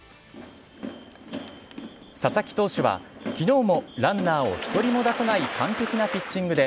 佐々木投手は、きのうもランナーを一人も出さない完璧なピッチングで、